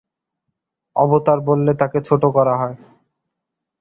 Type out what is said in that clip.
অবতার বললে তাঁকে ছোট করা হয়।